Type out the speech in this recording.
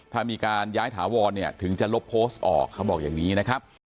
ถ้ามีการย้ายถาวรเนี่ยถึงจะลบโพสต์ออกเขาบอกอย่างนี้นะครับ